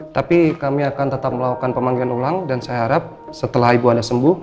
tapi kami akan tetap melakukan pemanggilan ulang dan saya harap setelah ibu anda sembuh